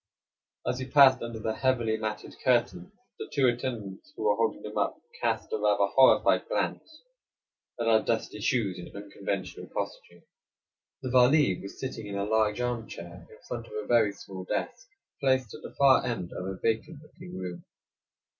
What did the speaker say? As we passed under the heavy matted curtains the two attendants who were holding them up cast a rather horrified glance at our dusty shoes and unconventional costume. The Vali was sitting in a large arm chair in front of a very small desk, placed at the far end of a vacant looking room.